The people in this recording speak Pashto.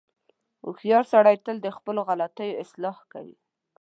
• هوښیار سړی تل د خپلو غلطیو اصلاح کوي.